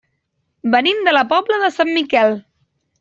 Venim de la Pobla de Sant Miquel.